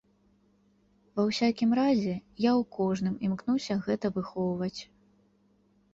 Ва ўсякім разе, я ў кожным імкнуся гэта выхоўваць.